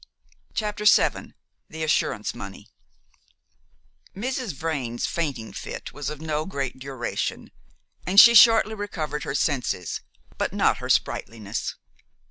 CHAPTER VII THE ASSURANCE MONEY Mrs. Vrain's fainting fit was of no great duration, and she shortly recovered her senses, but not her sprightliness.